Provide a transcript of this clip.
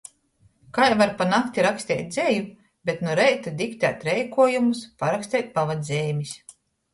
Kai var pa nakti raksteit dzeju, bet nu reita diktēt reikuojumus, paraksteit pavadzeimis.